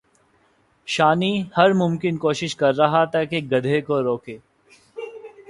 شانی ہر ممکن کوشش کر رہا تھا کہ گدھے کو روکے